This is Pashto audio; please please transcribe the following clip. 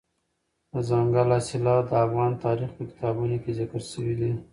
دځنګل حاصلات د افغان تاریخ په کتابونو کې ذکر شوي دي.